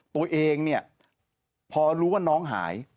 ตัวเองเนี่ยพอรู้ว่าน้องหาย